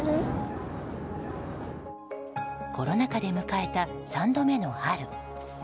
コロナ禍で迎えた３度目の春。